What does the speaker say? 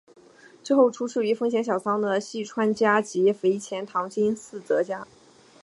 之后出仕于丰前小仓的细川家及肥前唐津寺泽家。